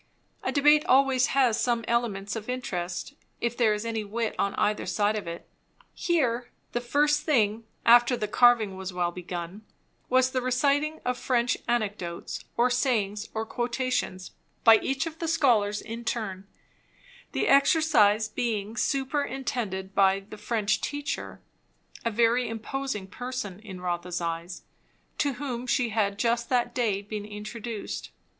A debate always has some elements of interest, if there is any wit on either side of it. Here, the first thing, after the carving was well begun, was the reciting of French anecdotes or sayings or quotations, by each of the scholars in turn; the exercise being superintended by the French teacher, a very imposing person in Rotha's eyes, to whom she had just that day been introduced.